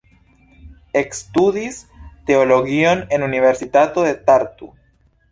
Ekstudis teologion en Universitato de Tartu.